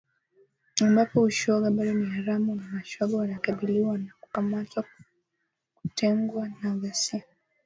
ambapo ushoga bado ni haramu na mashoga wanakabiliwa na kukamatwa, kutengwa na ghasia.